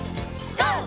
ＧＯ！